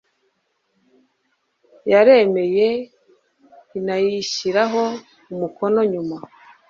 yarayemeye inayishyiraho umukono nyuma